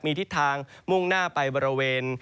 มีทิศทางมุ่งหน้าไปบริเวณ